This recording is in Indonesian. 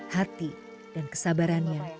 hati dan kesabarannya